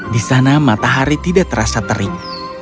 di sana matahari tidak terasa terik